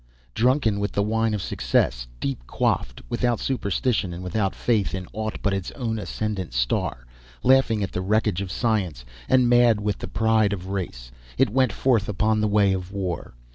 Drunken with the wine of success deep quaffed, without superstition and without faith in aught but its own ascendant star, laughing at the wreckage of science and mad with pride of race, it went forth upon the way of war.